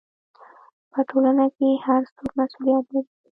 په ټولنه کې هر څوک مسؤلیت لري.